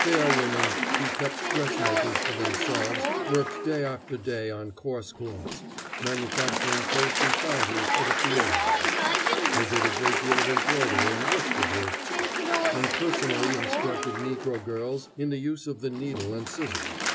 Fair women who kept dressmakers for themselves worked day after day on coarse cloths, manufacturing coats and trousers for the field hands. They did a great deal of embroidery and worsted work too, and personally instructed negro girls in the use of the needle and scissors.